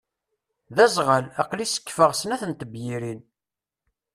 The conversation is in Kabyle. D azɣal. Aqli sekkfeɣ snat n tebyirin!